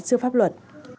xưa pháp luật